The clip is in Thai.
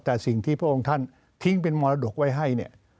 แต่สิ่งที่พวกองท่านทิ้งเป็นมรดกไว้ให้